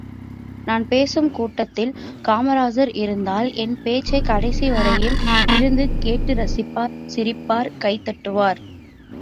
நான் பேசும் கூட்டத்தில் காமராசர் இருந்தால், என் பேச்சைக் கடைசி வரையில் இருந்து கேட்டுரசிப்பார், சிரிப்பார் கைதட்டுவார்.